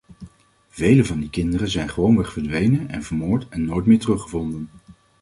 Veel van die kinderen zijn gewoonweg verdwenen en vermoord en nooit meer teruggevonden.